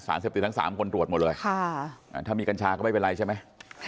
เสพติดทั้ง๓คนตรวจหมดเลยถ้ามีกัญชาก็ไม่เป็นไรใช่ไหม